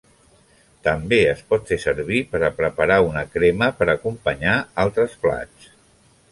També es pot fer servir per a preparar una crema per a acompanyar altres plats.